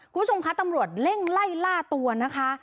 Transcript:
คุณผู้ชมคะตำรวจเร่งไล่ล่าตัวนะคะ